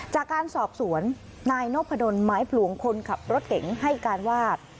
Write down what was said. จากการสอบสวนนายนพดลไม้ผลวงคนขับรถเก๋งให้การว่า